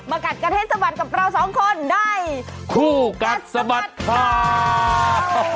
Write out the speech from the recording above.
มากัดกันให้สบัติกับเราสองคนได้คู่กัดสบัติครับ